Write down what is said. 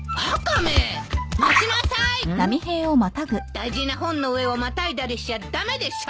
大事な本の上をまたいだりしちゃ駄目でしょ！